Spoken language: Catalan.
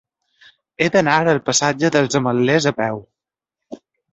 He d'anar al passatge dels Ametllers a peu.